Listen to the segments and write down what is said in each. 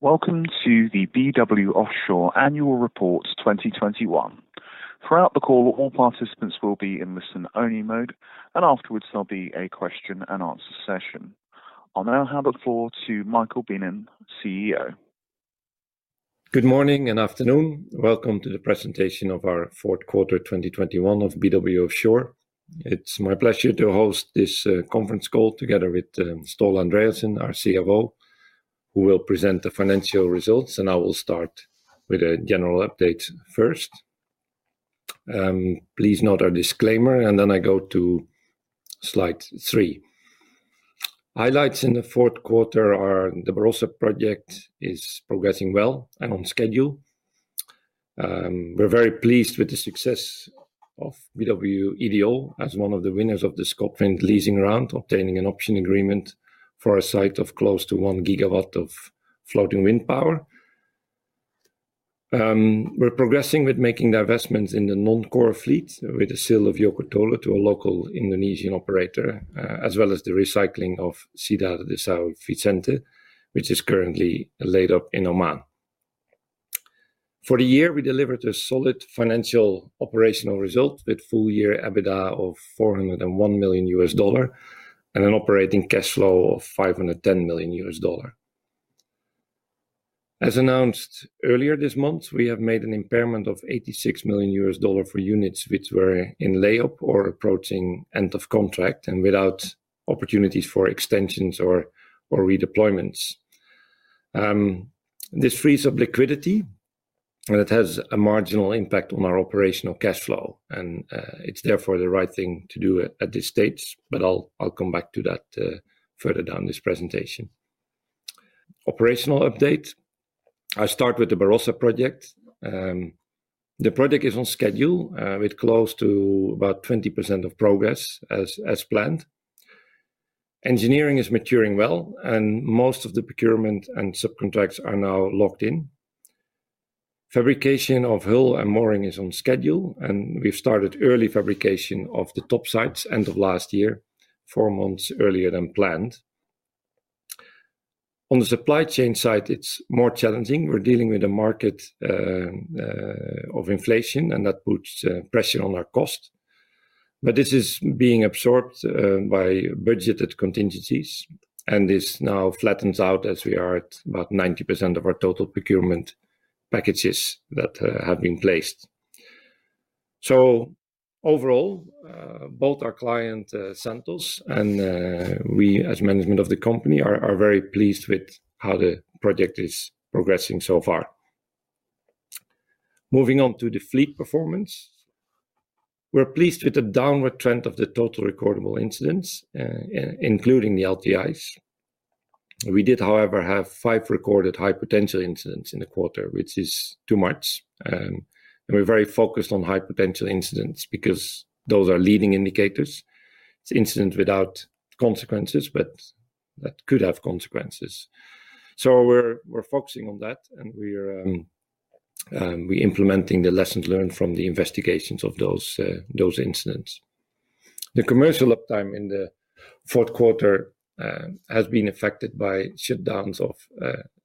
Welcome to the BW Offshore Annual Report 2021. Throughout the call, all participants will be in listen-only mode, and afterwards there'll be a question and answer session. I'll now hand the floor to Marco Beenen, CEO. Good morning and afternoon. Welcome to the presentation of our fourth quarter 2021 of BW Offshore. It's my pleasure to host this conference call together with Ståle Andreassen, our CFO, who will present the financial results. I will start with a general update first. Please note our disclaimer, and then I go to Slide 3. Highlights in the fourth quarter are the Barossa project is progressing well and on schedule. We're very pleased with the success of BW Ideol as one of the winners of the ScotWind leasing round, obtaining an option agreement for a site of close to one gigawatt of floating wind power. We're progressing with making the investments in the non-core fleet with the sale of Joko Tole to a local Indonesian operator, as well as the recycling of Cidade de São Vicente, which is currently laid up in Oman. For the year, we delivered a solid financial operational result with full-year EBITDA of $401 million and an operating cash flow of $510 million. As announced earlier this month, we have made an impairment of $86 million for units which were in layup or approaching end of contract and without opportunities for extensions or redeployments. This freeze of liquidity, it has a marginal impact on our operational cash flow, and it's therefore the right thing to do at this stage, but I'll come back to that further down this presentation. Operational update. I start with the Barossa project. The project is on schedule with close to about 20% of progress as planned. Engineering is maturing well, and most of the procurement and subcontracts are now locked in. Fabrication of hull and mooring is on schedule, and we've started early fabrication of the topsides end of last year, four months earlier than planned. On the supply chain side, it's more challenging. We're dealing with a market of inflation, and that puts pressure on our cost. This is being absorbed by budgeted contingencies, and this now flattens out as we are at about 90% of our total procurement packages that have been placed. Overall, both our client Santos and we as management of the company are very pleased with how the project is progressing so far. Moving on to the fleet performance. We're pleased with the downward trend of the total recordable incidents, including the LTIs. We did, however, have five recorded high-potential incidents in the quarter, which is too much. We're very focused on high-potential incidents because those are leading indicators. It's incidents without consequences, but that could have consequences. We're focusing on that, and we're implementing the lessons learned from the investigations of those incidents. The commercial uptime in the fourth quarter has been affected by shutdowns of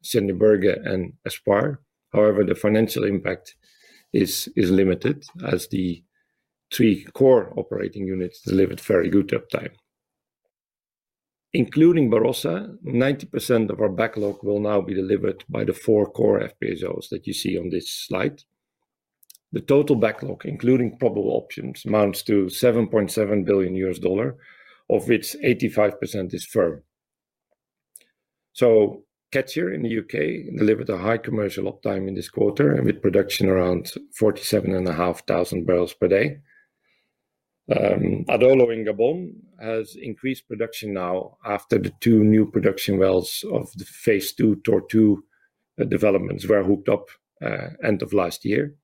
Sendje Berge and Espoir Ivoirien. However, the financial impact is limited as the three core operating units delivered very good uptime. Including Barossa, 90% of our backlog will now be delivered by the four core FPSOs that you see on this slide. The total backlog, including probable options, amounts to $7.7 billion, of which 85% is firm. Catcher in the U.K. delivered a high commercial uptime in this quarter with production around 47.5 kbpd. Adolo in Gabon has increased production now after the two new production wells of the phase II Tortue developments were hooked up, end of last year.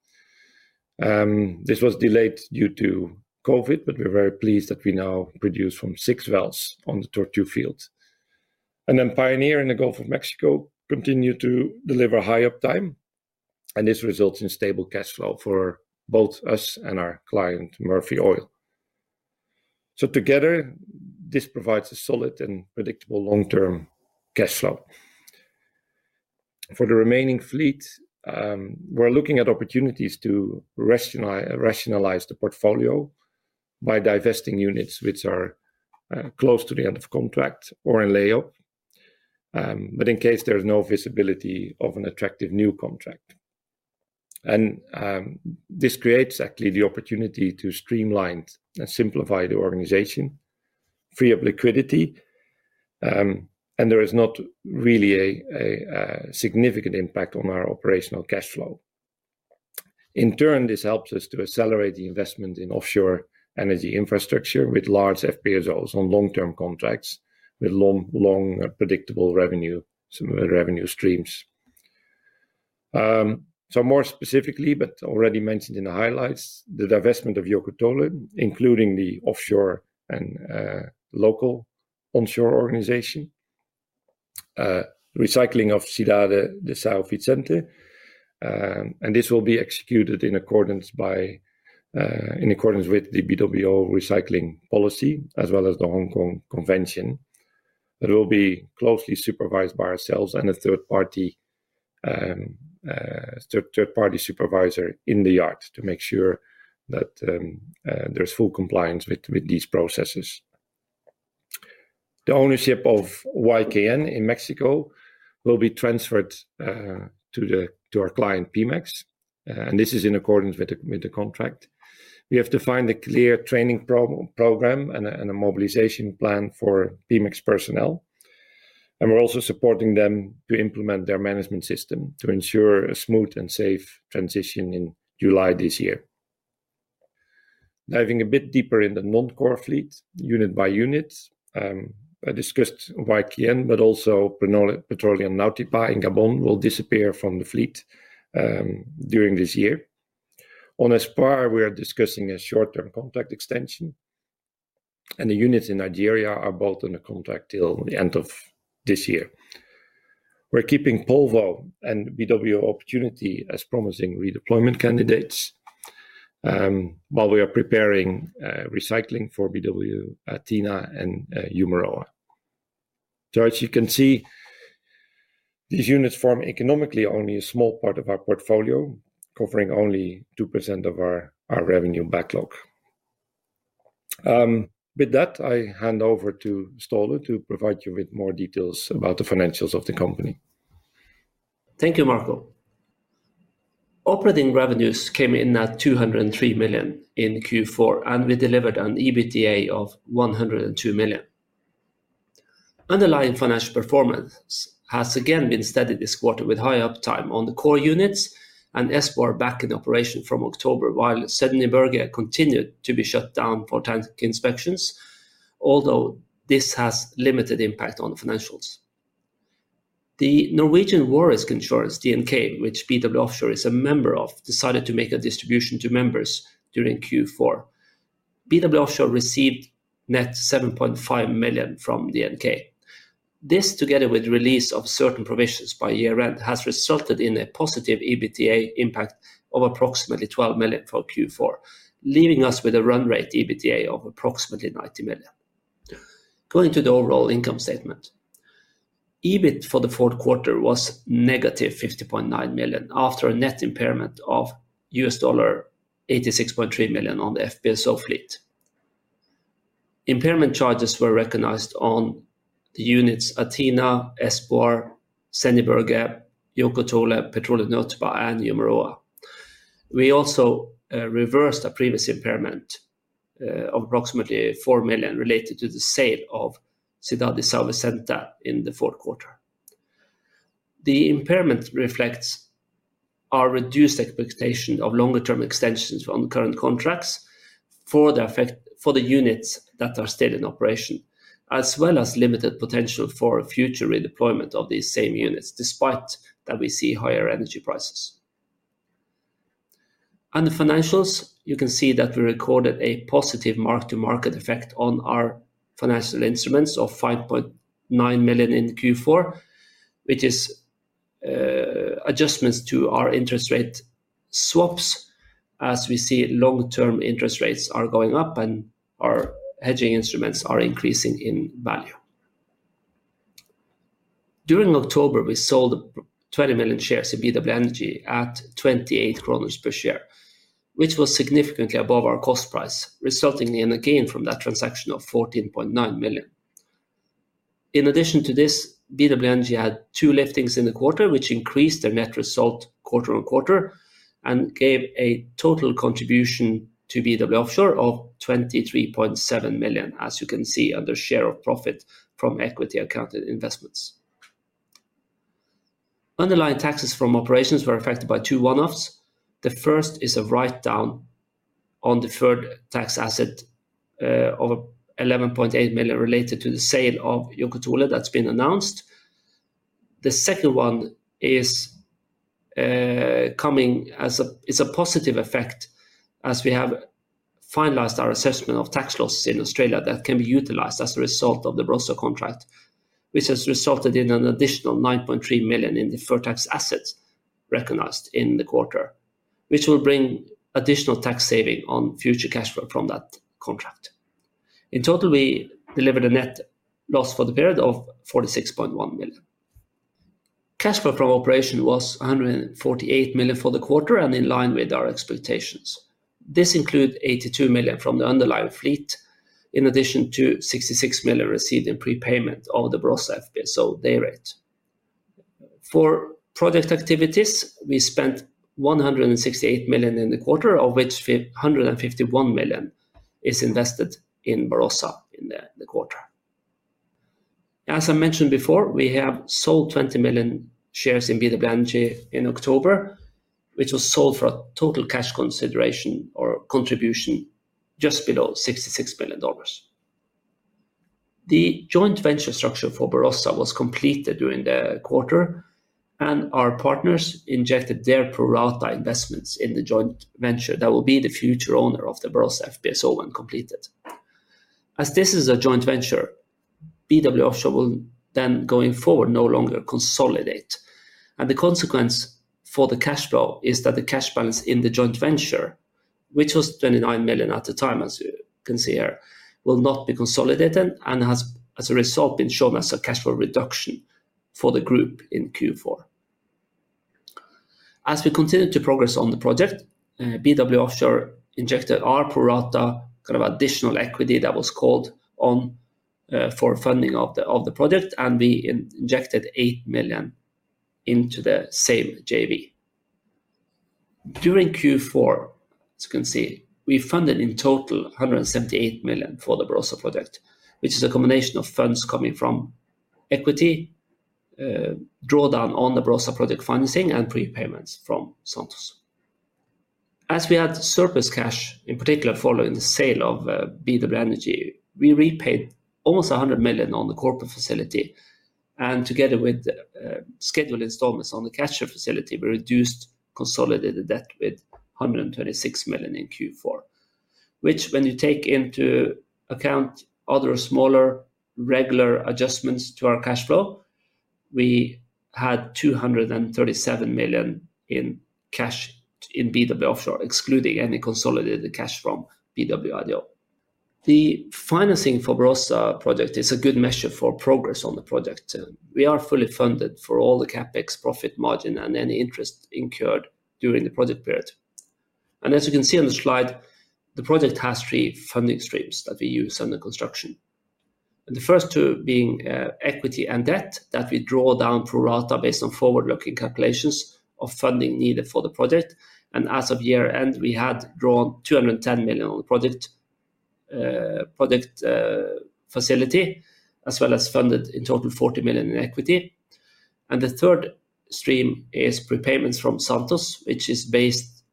This was delayed due to COVID, but we're very pleased that we now produce from six wells on the Tortue field. Pioneer in the Gulf of Mexico continued to deliver high uptime, and this results in stable cash flow for both us and our client, Murphy Oil. Together, this provides a solid and predictable long-term cash flow. For the remaining fleet, we're looking at opportunities to rationalize the portfolio by divesting units which are close to the end of contract or in layup, but in case there is no visibility of an attractive new contract. This creates actually the opportunity to streamline and simplify the organization free of liquidity, and there is not really a significant impact on our operational cash flow. In turn, this helps us to accelerate the investment in offshore energy infrastructure with large FPSOs on long-term contracts with long predictable revenue, similar revenue streams. More specifically, but already mentioned in the highlights, the divestment of Joko Tole, including the offshore and local onshore organization, recycling of Cidade de São Vicente, and this will be executed in accordance with the BW Recycling Policy, as well as the Hong Kong Convention. It will be closely supervised by ourselves and a third party supervisor in the yard to make sure that there's full compliance with these processes. The ownership of YKN in Mexico will be transferred to our client, Pemex, and this is in accordance with the contract. We have defined a clear training program and a mobilization plan for Pemex personnel, and we're also supporting them to implement their management system to ensure a smooth and safe transition in July this year. Diving a bit deeper in the non-core fleet unit by unit, I discussed YKN, but also Petróleo Nautipa in Gabon will disappear from the fleet during this year. On Espoir, we are discussing a short-term contract extension, and the units in Nigeria are both under contract till the end of this year. We're keeping Polvo and BW Opportunity as promising redeployment candidates, while we are preparing recycling for BW Athena and Umuroa. As you can see, these units form economically only a small part of our portfolio, covering only 2% of our revenue backlog. With that, I hand over to Ståle to provide you with more details about the financials of the company. Thank you, Marco. Operating revenues came in at $203 million in Q4, and we delivered an EBITDA of $102 million. Underlying financial performance has again been steady this quarter with high uptime on the core units and Espoir back in operation from October while Sendje Berge continued to be shut down for tank inspections, although this has limited impact on financials. The Norwegian Shipowners' Mutual War Risks Insurance Association, DNK, which BW Offshore is a member of, decided to make a distribution to members during Q4. BW Offshore received net $7.5 million from DNK. This, together with release of certain provisions by year-end, has resulted in a positive EBITDA impact of approximately $12 million for Q4, leaving us with a run rate EBITDA of approximately $90 million. Going to the overall income statement. EBIT for the fourth quarter was negative $50.9 million after a net impairment of $86.3 million on the FPSO fleet. Impairment charges were recognized on the units Athena, Espoir, Sendje Berge, Joko Tole, Petróleo Nautipa, and Umuroa. We also reversed a previous impairment of approximately $4 million related to the sale of Cidade de São Vicente in the fourth quarter. The impairment reflects our reduced expectation of longer term extensions on current contracts for the units that are still in operation, as well as limited potential for future redeployment of these same units, despite that we see higher energy prices. On the financials, you can see that we recorded a positive mark-to-market effect on our financial instruments of $5.9 million in Q4, which is adjustments to our interest rate swaps as we see long-term interest rates are going up and our hedging instruments are increasing in value. During October, we sold 20 million shares of BW Energy at 28 kroner per share, which was significantly above our cost price, resulting in a gain from that transaction of $14.9 million. In addition to this, BW Energy had two liftings in the quarter which increased their net result quarter-on-quarter and gave a total contribution to BW Offshore of $23.7 million, as you can see under share of profit from equity-accounted investments. Underlying taxes from operations were affected by two one-offs. The first is a write-down on deferred tax asset of $11.8 million related to the sale of Joko Tole that's been announced. The second one is a positive effect as we have finalized our assessment of tax laws in Australia that can be utilized as a result of the Barossa contract, which has resulted in an additional $9.3 million in deferred tax assets recognized in the quarter, which will bring additional tax saving on future cash flow from that contract. In total, we delivered a net loss for the period of $46.1 million. Cash flow from operation was $148 million for the quarter and in line with our expectations. This include $82 million from the underlying fleet in addition to $66 million received in prepayment of the Barossa FPSO dayrate. For project activities, we spent $168 million in the quarter, of which $151 million is invested in Barossa in the quarter. As I mentioned before, we have sold 20 million shares in BW Energy in October, which was sold for a total cash consideration or contribution just below $66 million. The joint venture structure for Barossa was completed during the quarter, and our partners injected their pro rata investments in the joint venture that will be the future owner of the Barossa FPSO when completed. As this is a joint venture, BW Offshore will then, going forward, no longer consolidate. The consequence for the cash flow is that the cash balance in the joint venture, which was $29 million at the time, as you can see here, will not be consolidated and has, as a result, been shown as a cash flow reduction for the group in Q4. As we continue to progress on the project, BW Offshore injected our pro rata kind of additional equity that was called on for funding of the project, and we injected $8 million into the same JV. During Q4, as you can see, we funded in total $178 million for the Barossa project, which is a combination of funds coming from equity, drawdown on the Barossa project financing and prepayments from Santos. As we had surplus cash, in particular following the sale of BW Energy, we repaid almost $100 million on the corporate facility, and together with scheduled installments on the cash share facility, we reduced consolidated debt with $126 million in Q4, which when you take into account other smaller regular adjustments to our cash flow, we had $237 million in cash in BW Offshore, excluding any consolidated cash from BW Ideol. The financing for Barossa project is a good measure for progress on the project. We are fully funded for all the CapEx profit margin and any interest incurred during the project period. As you can see on the slide, the project has three funding streams that we use under construction. The first two being equity and debt that we draw down pro rata based on forward-looking calculations of funding needed for the project. As of year-end, we had drawn $210 million on project facility, as well as funded in total $40 million in equity. The third stream is prepayments from Santos, which is based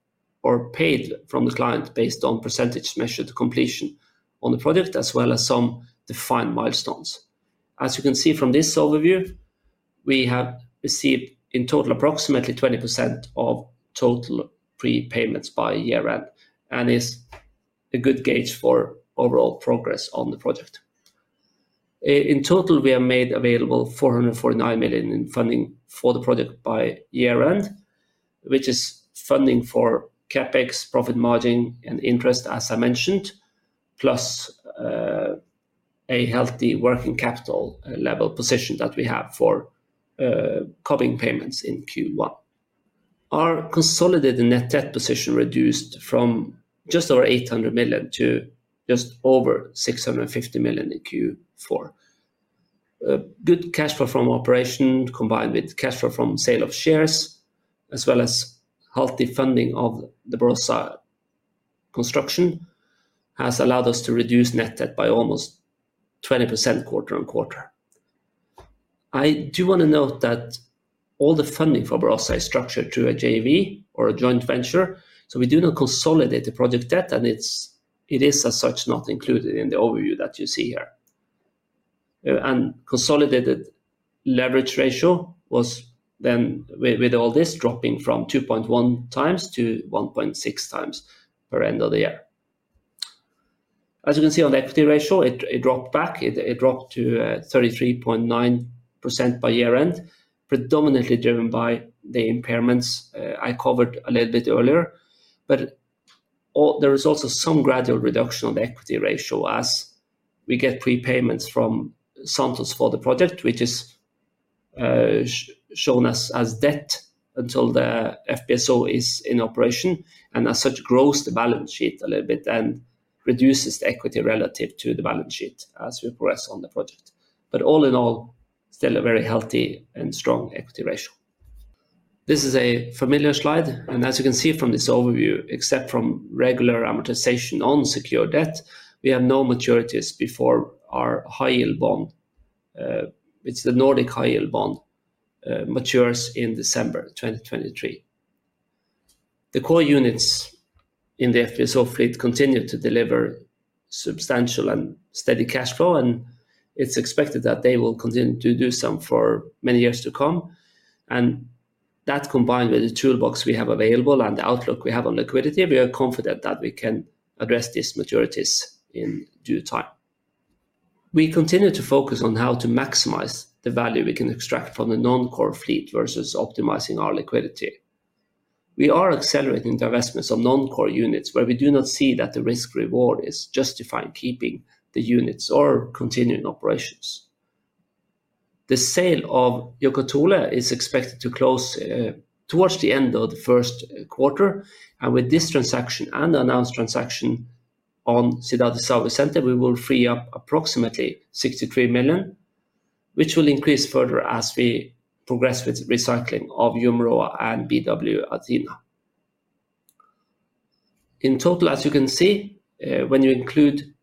or paid from the client based on percentage measured completion on the project, as well as some defined milestones. As you can see from this overview, we have received in total approximately 20% of total prepayments by year-end and is a good gauge for overall progress on the project. In total, we have made available $449 million in funding for the project by year-end, which is funding for CapEx, profit margin and interest, as I mentioned, plus a healthy working capital level position that we have for covering payments in Q1. Our consolidated net debt position reduced from just over $800 million to just over $650 million in Q4. Good cash flow from operation combined with cash flow from sale of shares, as well as healthy funding of the Barossa construction, has allowed us to reduce net debt by almost 20% quarter-over-quarter. I do wanna note that all the funding for Barossa is structured through a JV or a joint venture, so we do not consolidate the project debt, and it is as such not included in the overview that you see here. Consolidated leverage ratio was then with all this dropping from 2.1x to 1.6x by year-end. As you can see on the equity ratio, it dropped back. It dropped to 33.9% by year-end, predominantly driven by the impairments I covered a little bit earlier. There is also some gradual reduction on the equity ratio as we get prepayments from Santos for the project, which is shown as debt until the FPSO is in operation and as such grows the balance sheet a little bit and reduces the equity relative to the balance sheet as we progress on the project. All in all, still a very healthy and strong equity ratio. This is a familiar slide, and as you can see from this overview, except for regular amortization on secured debt, we have no maturities before our high-yield bond, the Nordic High Yield Bond, matures in December 2023. The core units in the FPSO fleet continue to deliver substantial and steady cash flow, and it's expected that they will continue to do so for many years to come. That combined with the toolbox we have available and the outlook we have on liquidity, we are confident that we can address these maturities in due time. We continue to focus on how to maximize the value we can extract from the non-core fleet versus optimizing our liquidity. We are accelerating the divestments of non-core units where we do not see that the risk-reward is justifying keeping the units or continuing operations. The sale of Joko Tole is expected to close towards the end of the first quarter. With this transaction and the announced transaction on Cidade de São Vicente, we will free up approximately $63 million, which will increase further as we progress with recycling of Umuroa and BW Athena. In total, as you can see, when you include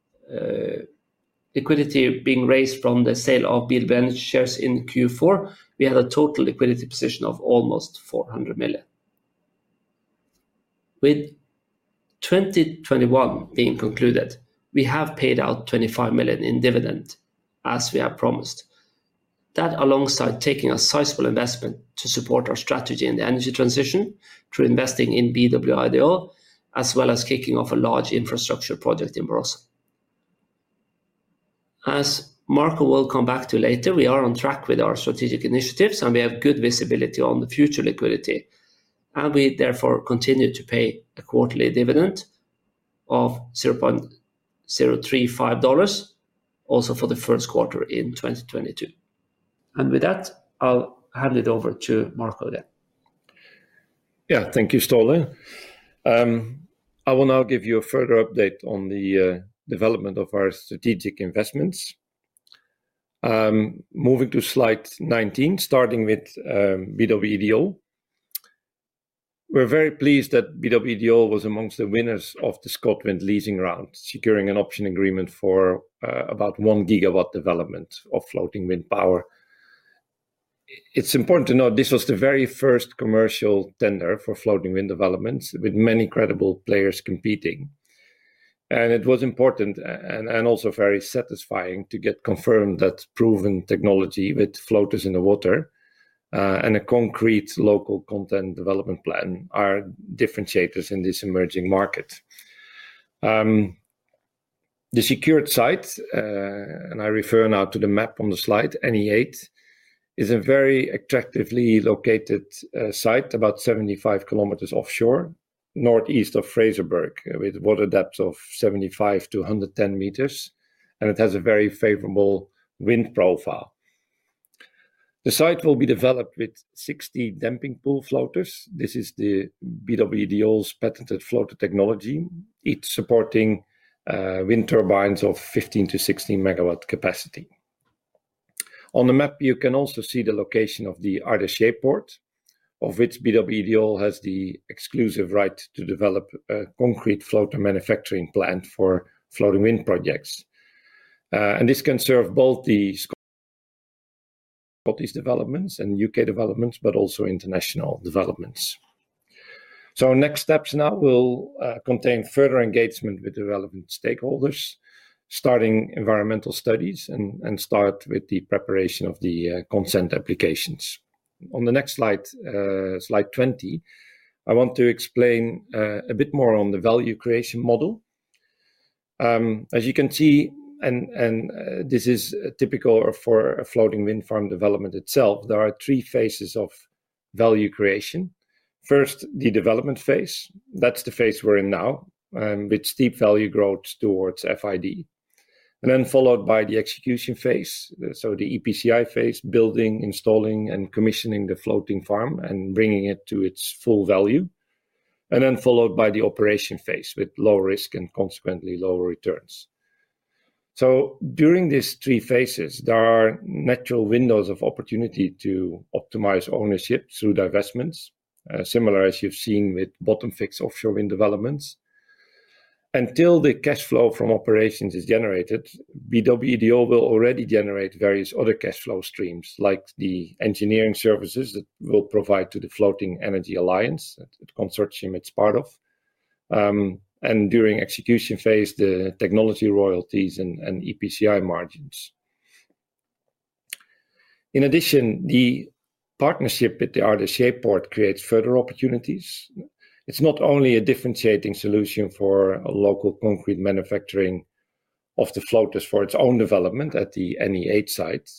liquidity being raised from the sale of BW Energy shares in Q4, we had a total liquidity position of almost $400 million. With 2021 being concluded, we have paid out $25 million in dividend, as we have promised. That alongside taking a sizable investment to support our strategy in the energy transition through investing in BW Ideol, as well as kicking off a large infrastructure project in Brazil. As Marco will come back to later, we are on track with our strategic initiatives, and we have good visibility on the future liquidity. We therefore continue to pay a quarterly dividend of $0.035 also for the first quarter in 2022. With that, I'll hand it over to Marco then. Yeah. Thank you, Ståle. I will now give you a further update on the development of our strategic investments. Moving to Slide 19, starting with BW Ideol. We're very pleased that BW Ideol was amongst the winners of the ScotWind leasing round, securing an option agreement for about one gigawatt development of floating wind power. It's important to note this was the very first commercial tender for floating wind developments with many credible players competing. It was important and also very satisfying to get confirmed that proven technology with floaters in the water and a concrete local content development plan are differentiators in this emerging market. The secured site, and I refer now to the map on the slide, NE8, is a very attractively located site about 75 km offshore, northeast of Fraserburgh, with water depth of 75-110 m, and it has a very favorable wind profile. The site will be developed with 60 Damping Pool floaters. This is the BW Ideol's patented floater technology. It's supporting wind turbines of 15-16 MW capacity. On the map, you can also see the location of the Ardersier Port, of which BW Ideol has the exclusive right to develop a concrete floater manufacturing plant for floating wind projects. This can serve both the Scottish developments and U.K. developments, but also international developments. Our next steps now will contain further engagement with the relevant stakeholders, starting environmental studies and start with the preparation of the consent applications. On the next Slide 20, I want to explain a bit more on the value creation model. As you can see, and this is typical for a floating wind farm development itself, there are three phases of value creation. First, the development phase. That's the phase we're in now, with steep value growth towards FID. Then followed by the execution phase. The EPCI phase, building, installing, and commissioning the floating farm and bringing it to its full value. Then followed by the operation phase with low risk and consequently lower returns. During these three phases, there are natural windows of opportunity to optimize ownership through divestments, similar as you've seen with bottom-fixed offshore wind developments. Until the cash flow from operations is generated, BW Ideol will already generate various other cash flow streams, like the engineering services that we'll provide to the Floating Energy Alliance, the consortium it's part of, and during execution phase, the technology royalties and EPCI margins. In addition, the partnership with the Ardersier Port creates further opportunities. It's not only a differentiating solution for a local concrete manufacturing of the floaters for its own development at the NE8 site,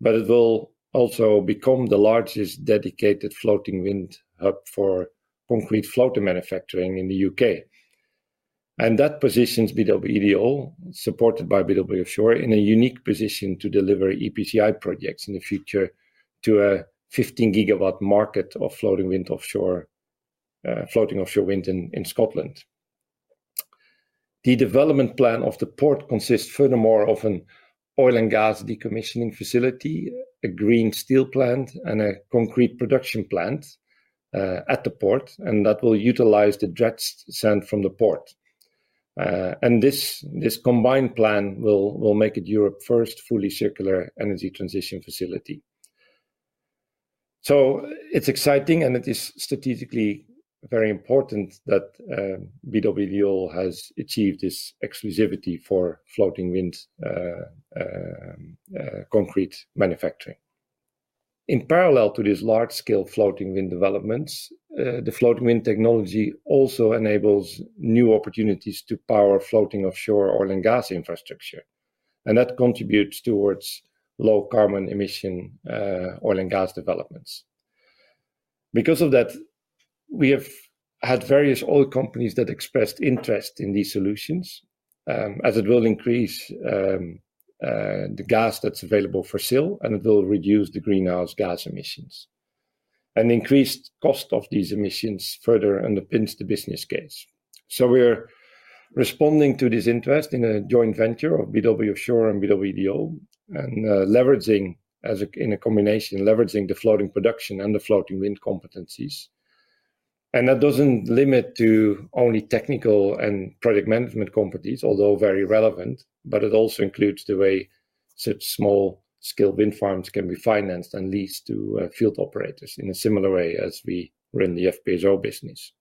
but it will also become the largest dedicated floating wind hub for concrete floater manufacturing in the U.K. That positions BW Ideol, supported by BW Offshore, in a unique position to deliver EPCI projects in the future to a 15-GW market of floating offshore wind in Scotland. The development plan of the port consists furthermore of an oil and gas decommissioning facility, a green steel plant, and a concrete production plant at the port, and that will utilize the dredged sand from the port. This combined plan will make it Europe's first fully circular energy transition facility. It's exciting, and it is strategically very important that BW Ideol has achieved this exclusivity for floating wind concrete manufacturing. In parallel to these large scale floating wind developments, the floating wind technology also enables new opportunities to power floating offshore oil and gas infrastructure, and that contributes towards low carbon emission oil and gas developments. Because of that, we have had various oil companies that expressed interest in these solutions, as it will increase the gas that's available for sale, and it will reduce the greenhouse gas emissions. An increased cost of these emissions further underpins the business case. We're responding to this interest in a joint venture of BW Offshore and BW Ideol and, in a combination, leveraging the floating production and the floating wind competencies. That doesn't limit to only technical and project management competencies, although very relevant, but it also includes the way such small scale wind farms can be financed and leased to field operators in a similar way as we run the FPSO business.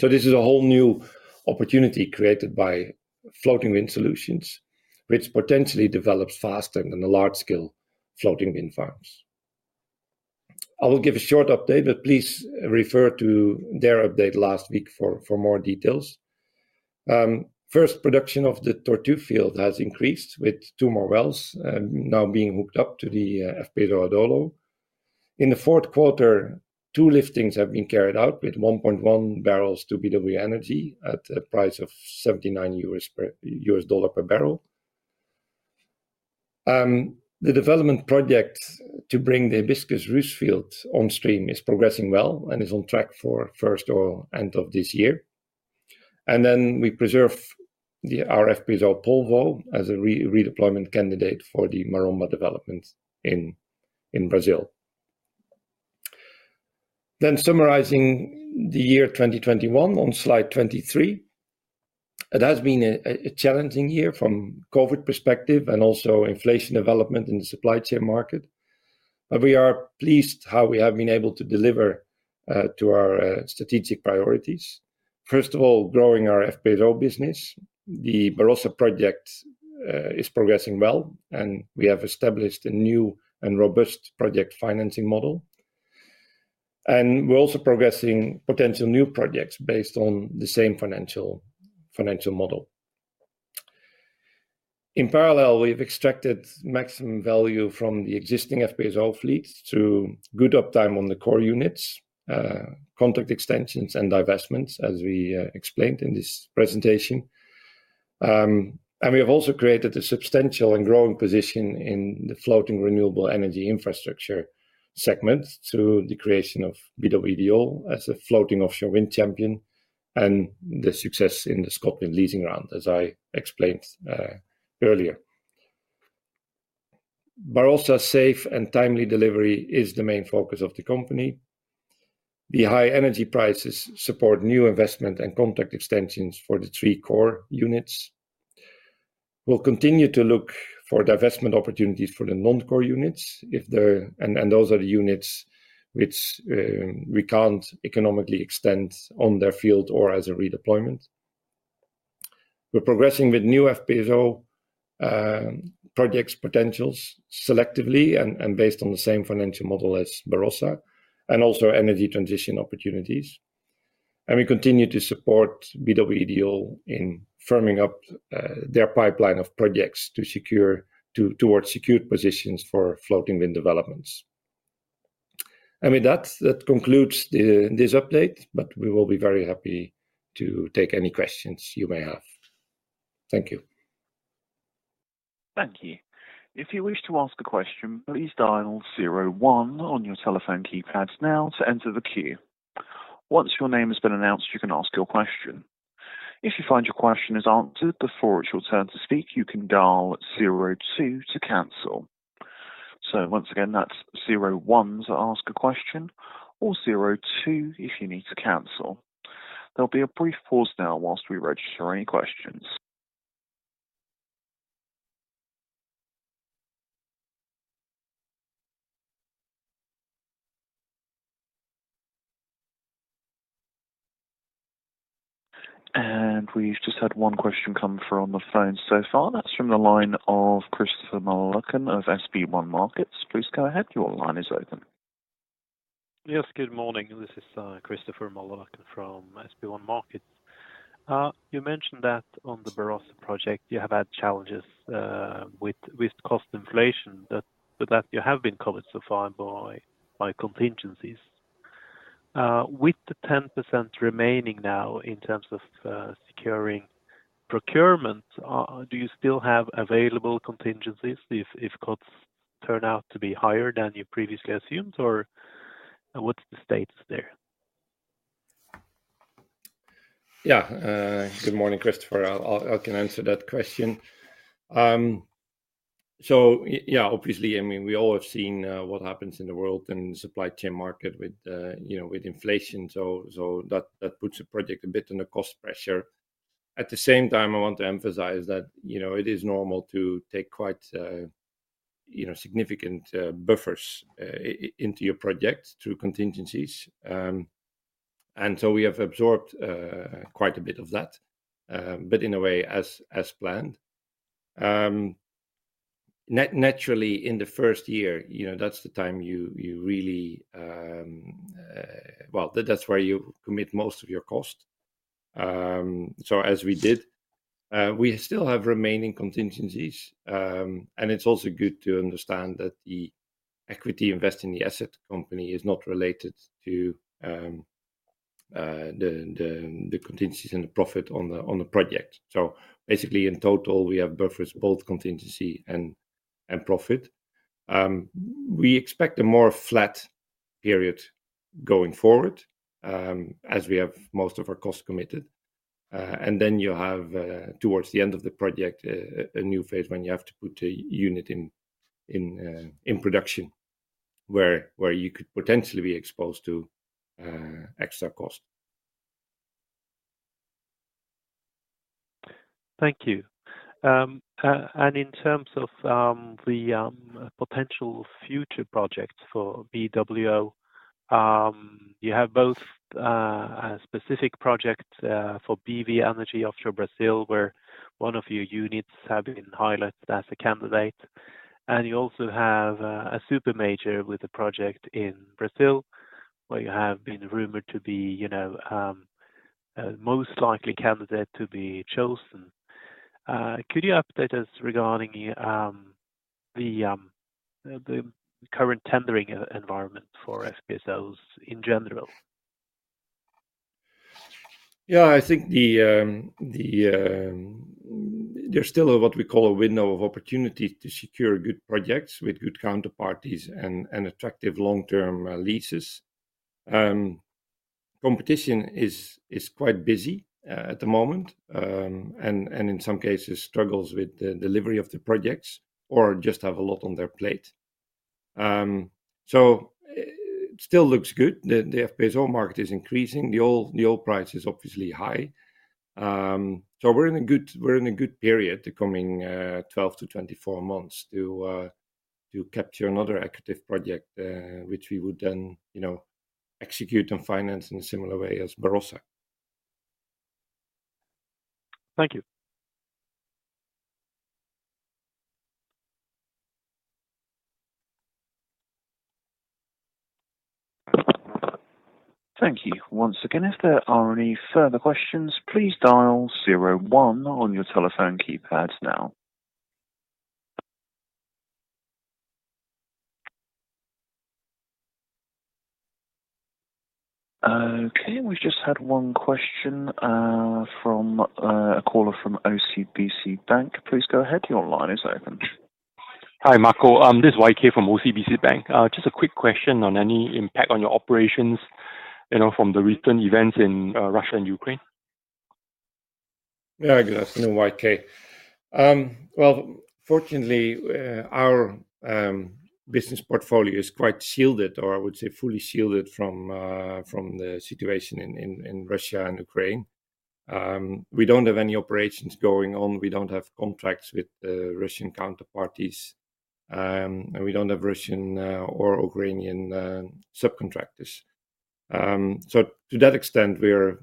This is a whole new opportunity created by floating wind solutions, which potentially develops faster than the large scale floating wind farms. I will give a short update, but please refer to their update last week for more details. First production of the Tortue field has increased with two more wells now being hooked up to the FPSO Adolo. In the fourth quarter, two liftings have been carried out with 1.1 million barrels to BW Energy at a price of $79 per barrel. The development project to bring the Hibiscus/Ruche field onstream is progressing well and is on track for first oil end of this year. We preserve the FPSO Polvo as a redeployment candidate for the Maromba development in Brazil. Summarizing the year 2021 on Slide 23. It has been a challenging year from COVID perspective and also inflation development in the supply chain market. We are pleased how we have been able to deliver to our strategic priorities. First of all, growing our FPSO business. The Barossa project is progressing well, and we have established a new and robust project financing model. We're also progressing potential new projects based on the same financial model. In parallel, we've extracted maximum value from the existing FPSO fleet through good uptime on the core units, contract extensions, and divestments, as we explained in this presentation. We have also created a substantial and growing position in the floating renewable energy infrastructure segment through the creation of BW Ideol as a floating offshore wind champion and the success in ScotWind, as I explained earlier. Barossa's safe and timely delivery is the main focus of the company. The high energy prices support new investment and contract extensions for the three core units. We'll continue to look for divestment opportunities for the non-core units, and those are the units which we can't economically extend on their field or as a redeployment. We're progressing with new FPSO projects potentials selectively and based on the same financial model as Barossa, and also energy transition opportunities. We continue to support BW Ideol in firming up their pipeline of projects towards secured positions for floating wind developments. With that concludes this update, but we will be very happy to take any questions you may have. Thank you. Thank you. If you wish to ask a question, please dial zero one on your telephone keypads now to enter the queue. Once your name has been announced, you can ask your question. If you find your question is answered before it's your turn to speak, you can dial zero two to cancel. Once again, that's zero one to ask a question or zero two if you need to cancel. There'll be a brief pause now while we register any questions. We've just had one question come through on the phone so far. That's from the line of Christopher Møllerløkken of SpareBank 1 Markets. Please go ahead. Your line is open. Yes, good morning. This is Christopher Møllerløkken from SpareBank 1 Markets. You mentioned that on the Barossa project you have had challenges with cost inflation, but that you have been covered so far by contingencies. With the 10% remaining now in terms of securing procurement, do you still have available contingencies if costs turn out to be higher than you previously assumed, or what's the status there? Yeah. Good morning, Christopher. I'll answer that question. Yeah, obviously, I mean, we all have seen what happens in the world and supply chain market with, you know, with inflation. That puts the project a bit under cost pressure. At the same time, I want to emphasize that, you know, it is normal to take quite significant buffers into your project through contingencies. We have absorbed quite a bit of that, but in a way as planned. Naturally, in the first year, you know, that's the time you really commit most of your cost. Well, that's where you commit most of your cost. As we did, we still have remaining contingencies. It's also good to understand that the equity investment in the asset company is not related to the contingencies and the profit on the project. Basically, in total, we have buffers both contingency and profit. We expect a more flat period going forward, as we have most of our costs committed. Then you have towards the end of the project a new phase when you have to put a unit in production where you could potentially be exposed to extra cost. Thank you. In terms of the potential future projects for BWO, you have both a specific project for BW Energy offshore Brazil, where one of your units have been highlighted as a candidate. You also have a super major with a project in Brazil, where you have been rumored to be, you know, most likely candidate to be chosen. Could you update us regarding the current tendering environment for FPSOs in general? There's still what we call a window of opportunity to secure good projects with good counterparties and attractive long-term leases. Competition is quite busy at the moment, and in some cases struggles with the delivery of the projects or just have a lot on their plate. Still looks good. The FPSO market is increasing. The oil price is obviously high. We're in a good period the coming 12-24 months to capture another active project, which we would then, you know, execute and finance in a similar way as Barossa. Thank you. Thank you once again. If there are any further questions, please dial zero one on your telephone keypads now. Okay, we've just had one question from a caller from OCBC Bank. Please go ahead. Your line is open. Hi, Marco. This is YK from OCBC Bank. Just a quick question on any impact on your operations, you know, from the recent events in Russia and Ukraine. Yeah. Good afternoon, YK. Well, fortunately, our business portfolio is quite shielded, or I would say fully shielded from the situation in Russia and Ukraine. We don't have any operations going on. We don't have contracts with Russian counterparties. And we don't have Russian or Ukrainian subcontractors. So to that extent, we're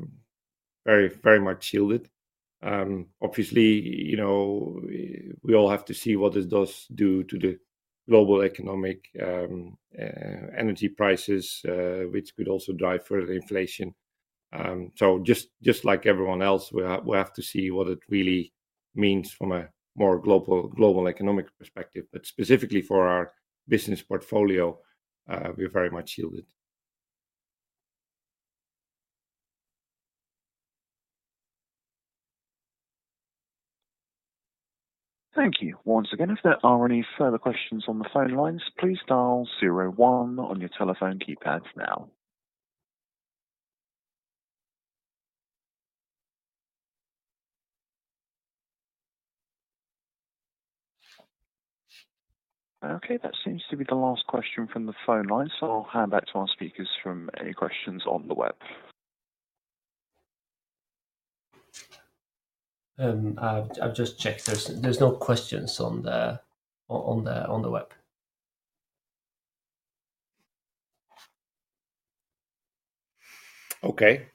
very much shielded. Obviously, you know, we all have to see what it does do to the global economic energy prices, which could also drive further inflation. So just like everyone else, we have to see what it really means from a more global economic perspective. Specifically for our business portfolio, we're very much shielded. Thank you. Once again, if there are any further questions on the phone lines, please dial zero one on your telephone keypads now. Okay, that seems to be the last question from the phone lines. I'll hand back to our speakers for any questions on the web. I've just checked. There's no questions on the web. Okay.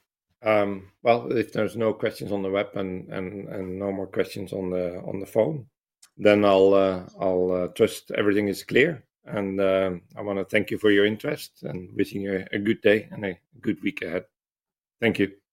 Well, if there's no questions on the web and no more questions on the phone, then I'll trust everything is clear. I wanna thank you for your interest, and wish you a good day and a good week ahead. Thank you.